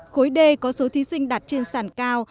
khối d có số thí sinh đạt trên sàn cao